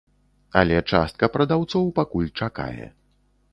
Але частка прадаўцоў пакуль чакае.